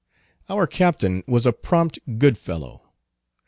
Our captain was a prompt, good fellow.